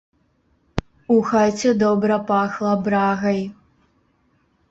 У хаце добра пахла брагай.